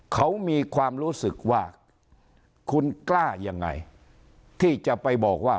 เขามีความรู้สึกว่าคุณกล้ายังไงที่จะไปบอกว่า